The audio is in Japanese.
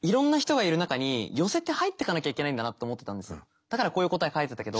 でもだからこういう答え書いてたけど。